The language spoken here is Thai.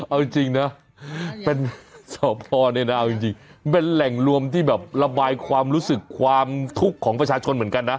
เอาจริงนะเป็นสพในนาวจริงเป็นแหล่งรวมที่แบบระบายความรู้สึกความทุกข์ของประชาชนเหมือนกันนะ